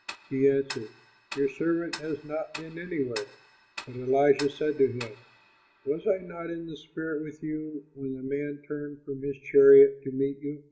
He answered, "Your servant has not been anywhere." But Elisha said to him, "Was I not in spirit with you when the man turned from his chariot to meet you?